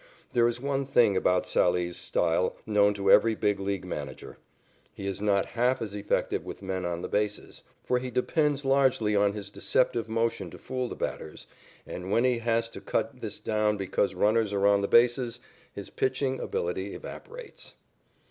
There is one thing about Sallee's style known to every Big League manager. He is not half as effective with men on the bases, for he depends largely on his deceptive motion to fool the batters, and when he has to cut this down because runners are on the bases, his pitching ability evaporates.